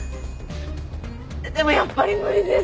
でもやっぱり無理です。